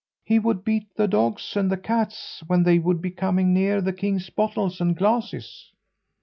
"He would beat the dogs and the cats when they would be coming near the king's bottles and glasses."